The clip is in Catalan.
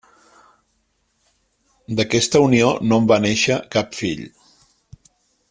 D'aquesta unió no en va néixer cap fill.